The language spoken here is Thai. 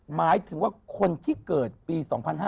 หมายถึงว่าคนที่เกิดปี๒๕๕๙